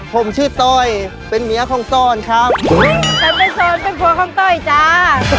ผมชื่อต้อยเป็นเมียของซ่อนครับฉันเป็นโซนเป็นผัวของต้อยจ้า